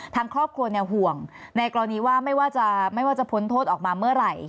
ทางครอบครัวห่วงในกรณีว่าไม่ว่าจะพ้นโทษออกมาเมื่อไหร่